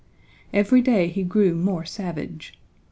Every day he grew more savage.